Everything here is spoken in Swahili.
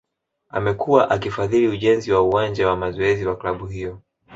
Amekuwa akifadhili ujenzi wa uwanja wa mazoezi wa klabu hiyo